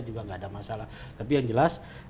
juga nggak ada masalah tapi yang jelas